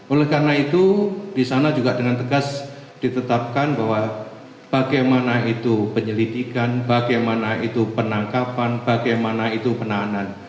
oleh karena itu di sana juga dengan tegas ditetapkan bahwa bagaimana itu penyelidikan bagaimana itu penangkapan bagaimana itu penahanan